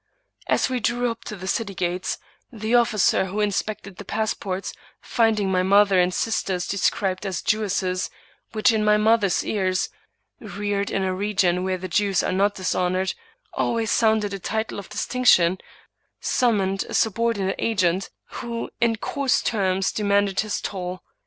As we drew up to the city gates, the officer who inspected the pass ports, finding my mother and sisters described as Jewesses, which in my mother's ears (reared in a region where Jews are not dishonored) always sounded a title of distinction, summoned a subordinate agent, who in coarse terms de manded his toll.